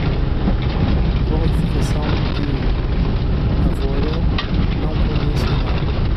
Qualificação de lavoura não convencional